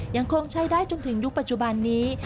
ยังคงใช้ได้จนถึงยุคปัจจุบันนี้